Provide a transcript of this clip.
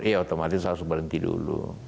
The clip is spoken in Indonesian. iya otomatis harus berhenti dulu